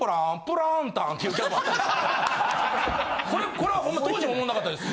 これはホンマ当時もおもんなかったです。